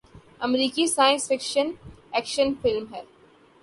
امریکی science fiction action film ہے